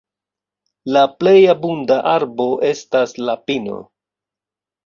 La plej abunda arbo estas la pino.